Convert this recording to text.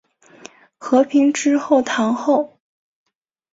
和平之后堂后。